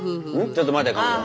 ちょっと待ってかまど。